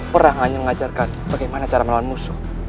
perang hanya mengajarkan bagaimana cara melawan musuh